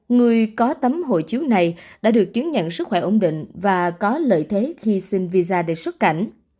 người có tấm hộ chiếu này đã được chứng nhận sức khỏe ổn định và có lợi thế khi xin visa để xuất cảnh